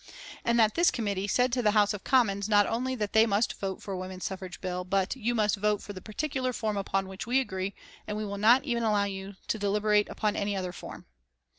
And that this committee said to the House of Commons not only that they must vote for a women's suffrage bill but "You must vote for the particular form upon which we agree, and we will not even allow you to deliberate upon any other form."